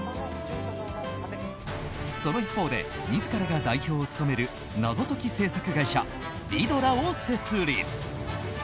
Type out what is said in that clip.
その一方で自らが代表を務める謎解き制作会社ＲＩＤＤＬＥＲを設立。